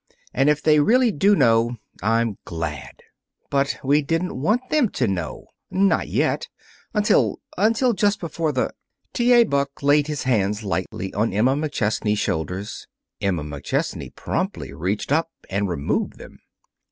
And if they really do know, I'm glad." "But we didn't want them to know. Not yet until until just before the " T. A. Buck laid his hands lightly on Emma McChesney's shoulders. Emma McChesney promptly reached up and removed them.